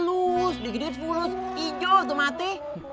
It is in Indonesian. fulus dikit dikit fulus hijau tomate